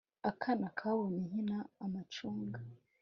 Akana kabonye nkina amacunga